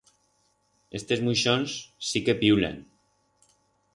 Estes muixons sí que piulan.